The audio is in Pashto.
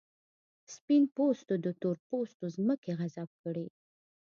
سپین پوستو د تور پوستو ځمکې غصب کړې.